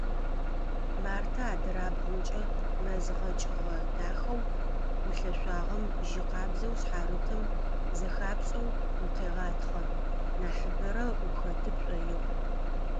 Мартэ адырабгъукӏэ мэз гъэкӏыгъэ дахэу ӏулъэшъуагъэм жьы къабзэу шъхьарытым зэхапшӏэу укъегъатхъэ, нахьыбэрэ ухэты пшӏоигъу.